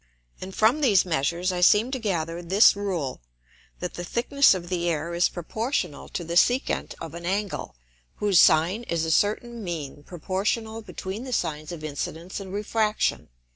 And from these Measures I seem to gather this Rule: That the Thickness of the Air is proportional to the Secant of an Angle, whose Sine is a certain mean Proportional between the Sines of Incidence and Refraction.